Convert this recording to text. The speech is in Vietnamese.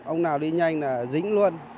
ông nào đi nhanh là dính luôn